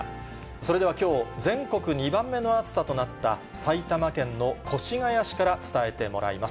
それではきょう、全国２番目の暑さとなった埼玉県の越谷市から伝えてもらいます。